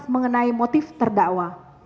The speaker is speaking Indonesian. mengenai motif terdakwa